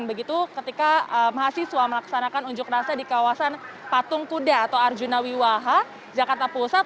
begitu ketika mahasiswa melaksanakan unjuk rasa di kawasan patung kuda atau arjuna wiwaha jakarta pusat